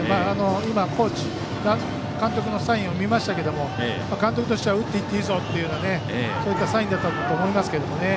今、監督のサインを見ましたけども監督としては打っていっていいぞというそういったサインだったと思いますけどね。